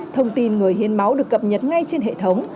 thông tin người hiến máu được cập nhật ngay trên hệ thống